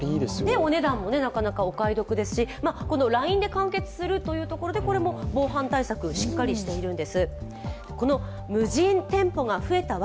お値段もお手頃ですし、ＬＩＮＥで完結するということで、防犯対策、しっかりしているんです。